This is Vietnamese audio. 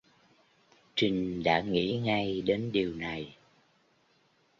Trinh đã nghĩ ngay đến điều này